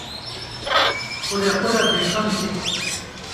Qurequra beqan tê.